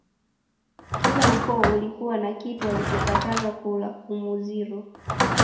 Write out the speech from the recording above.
kila ukoo ulikuwa na kitu walichokatazwa kula Omuziro